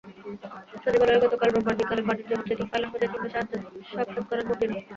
সচিবালয়ে গতকাল রোববার বিকেলে বাণিজ্যমন্ত্রী তোফায়েল আহমেদের সঙ্গে সাক্ষাৎ করেন মজীনা।